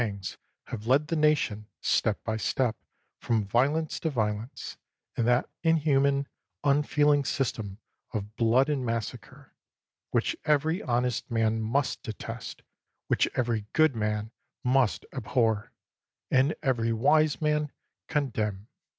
g5 have led the nation, step by step, from violence to violence, in that in human, unfeeling system of blood and massacre, which every honest man must detest, which every good man must abhor, and every wise man condemn